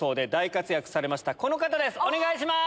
お願いします！